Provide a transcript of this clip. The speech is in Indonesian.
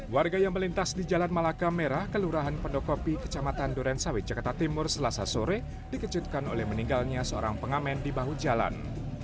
warga yang melintas di jalan malaka merah kelurahan pendokopi kecamatan durensawit jakarta timur selasa sore dikejutkan oleh meninggalnya seorang pengamen di bahu jalan